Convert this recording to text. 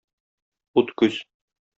Ут күз.